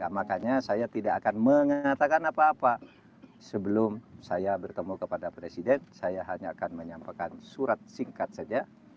makanya saya tidak akan mengatakan apa apa sebelum saya bertemu kepada presiden saya hanya akan menyampaikan surat singkat saja